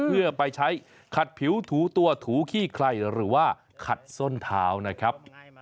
เพื่อไปใช้ขัดผิวถูตัวถูขี้ใครหรือว่าขัดส้นเท้านะครับ